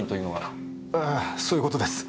ああそういう事です。